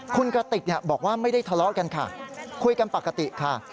คุณกติกบอกว่าไม่ได้ทะเลาะกันค่ะคุยกันปกติค่ะ